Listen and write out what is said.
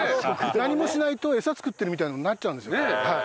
何もしないと餌作ってるみたいになっちゃうんですよ。